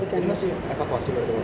jadi masih evakuasi